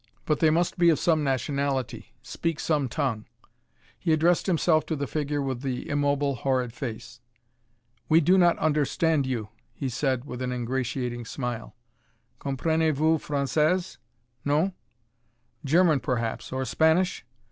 But they must be of some nationality, speak some tongue." He addressed himself to the figure with the immobile, horrid face. "We do not understand you," he said with an ingratiating smile. "Comprenez vous Francaise?... Non?"... German, perhaps, or Spanish?...